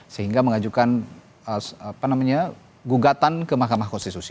sehingga mengajukan gugatan ke mahkamah konstitusi